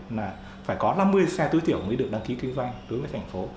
là phải có năm mươi xe tối thiểu mới được đăng ký kinh doanh đối với thành phố